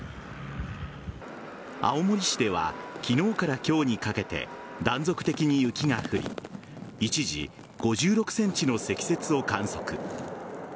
青森市では昨日から今日にかけて断続的に雪が降り一時、５６ｃｍの積雪を観測。